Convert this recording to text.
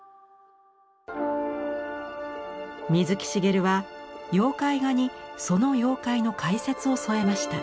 水木しげるは妖怪画にその妖怪の解説を添えました。